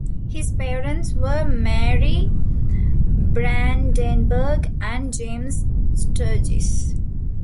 His parents were Mary Brandenburg and James Sturgis.